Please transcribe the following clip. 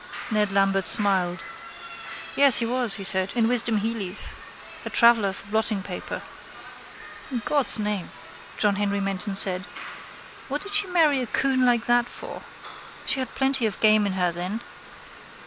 Ned Lambert smiled. —Yes, he was, he said, in Wisdom Hely's. A traveller for blottingpaper. —In God's name, John Henry Menton said, what did she marry a coon like that for? She had plenty of game in her then.